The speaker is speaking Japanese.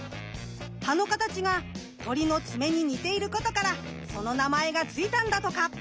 葉の形が鳥の爪に似ていることからその名前がついたんだとか。